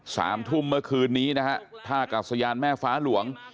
สามทุ่มเมื่อคืนนี้นะฮะท่ากาศยานแม่ฟ้าหลวง